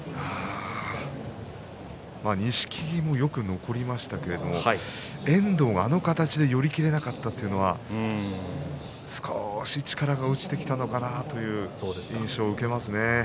錦木も、よく残りましたけれども遠藤、あの形で寄り切れなかったというのは少し力が落ちてきたのかなという印象を受けますね。